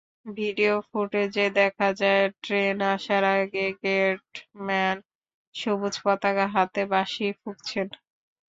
Video ফুটেজে দেখা যায়, ট্রেন আসার আগে গেটম্যান সবুজ পতাকা হাতে বাঁশি ফুঁকছেন।